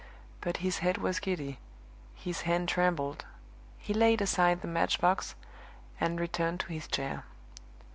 But his head was giddy, his hand trembled; he laid aside the match box, and returned to his chair.